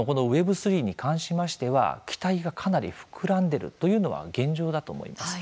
Ｗｅｂ３に関しましては期待がかなり膨らんでいるというのは現状だと思います。